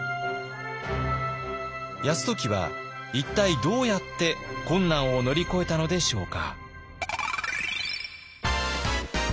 泰時は一体どうやって困難を乗り越えたのでしょうか。